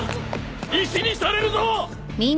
石にされるぞ！